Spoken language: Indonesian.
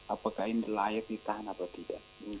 apakah ini layak ditahan atau tidak